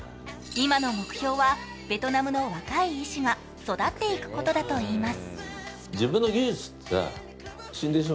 今の目標は、ベトナムの若い医師が育っていくことだといいます。